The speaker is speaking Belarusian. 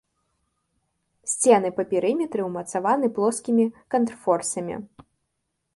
Сцены па перыметры ўмацаваны плоскімі контрфорсамі.